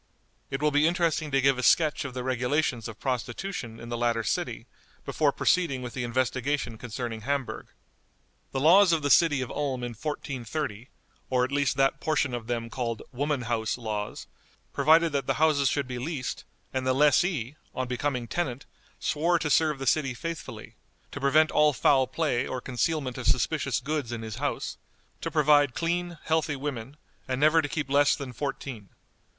It will be interesting to give a sketch of the regulations of prostitution in the latter city before proceeding with the investigation concerning Hamburg. The laws of the city of Ulm in 1430, or at least that portion of them called "woman house" laws, provided that the houses should be leased, and the lessee, on becoming tenant, swore to serve the city faithfully; to prevent all foul play or concealment of suspicious goods in his house; to provide clean, healthy women, and never to keep less than fourteen.